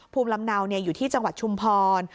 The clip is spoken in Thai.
ภูมิลำเนาอยู่ที่จังหวัดชุมพร